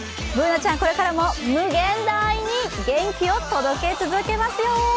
Ｂｏｏｎａちゃん、これからも無限大に元気を届け続けますよ。